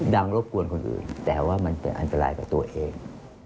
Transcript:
รบกวนคนอื่นแต่ว่ามันเป็นอันตรายกับตัวเอง